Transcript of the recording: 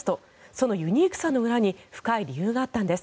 そのユニークさの裏に深い理由があったんです。